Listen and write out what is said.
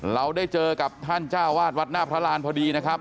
เราได้เจอกับท่านเจ้าวาดวัดหน้าพระรานพอดีนะครับ